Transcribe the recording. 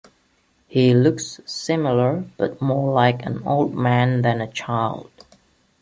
He looks similar, but more like an old man than a child.